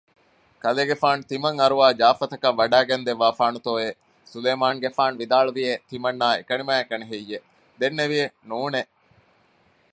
ކަލޭގެފާނު ތިމަން އަރުވާ ޖާފަތަކަށް ވަޑައިގެންދެއްވާފާނޫތޯއެވެ؟ ސުލައިމާނުގެފާނު ވިދާޅުވިއެވެ ތިމަންނާ އެކަނިމާއެކަނިހެއްޔެވެ؟ ދެންނެވިއެވެ ނޫނެއް